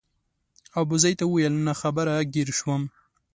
ابوزید ته وویل ناخبره ګیر شوم.